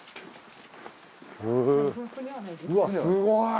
うわっすごい。